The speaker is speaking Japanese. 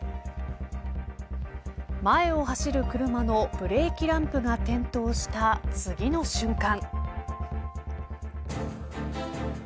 前を走る車のブレーキランプが点灯した次の瞬間